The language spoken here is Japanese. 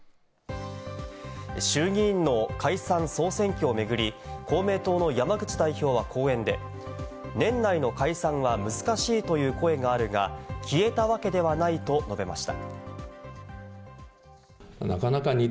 衆議院の解散・総選挙を巡り、公明党の山口代表は講演で年内の解散は難しいという声があるが、消えたわけではないと述べました。